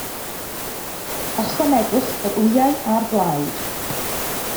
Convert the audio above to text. Ychwanegwch yr wyau a'r blawd.